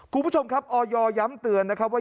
คุณผู้ชมครับออยย้ำเตือนนะครับว่า